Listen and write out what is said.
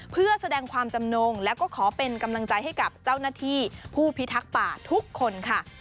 เพื่อแสดงความจำนงแล้วก็ขอเป็นกำลังใจให้กับเจ้าหน้าที่ผู้พิทักษ์ป่าทุกคนค่ะ